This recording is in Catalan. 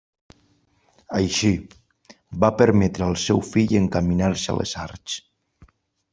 Així, va permetre al seu fill encaminar-se a les arts.